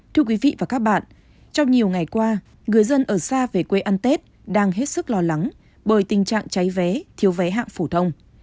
thưa quý vị và các bạn trong nhiều ngày qua người dân ở xa về quê ăn tết đang hết sức lo lắng bởi tình trạng cháy vé thiếu vé hạng phổ thông